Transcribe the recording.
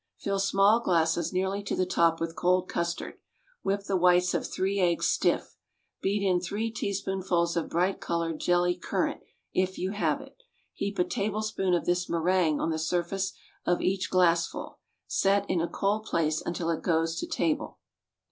Fill small glasses nearly to the top with cold custard. Whip the whites of three eggs stiff. Beat in three teaspoonfuls of bright colored jelly currant, if you have it. Heap a tablespoon of this méringue on the surface of each glassful. Set in a cold place until it goes to table.